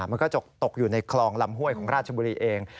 มันก็ตกอยู่ในคลองลำห้วยของราชบุรีเอง